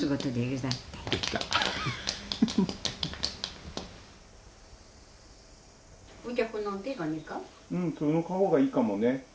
うんその方がいいかもね。